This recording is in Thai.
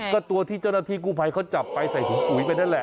ก็ตัวที่เจ้าหน้าที่กู้ภัยเขาจับไปใส่ถุงปุ๋ยไปนั่นแหละ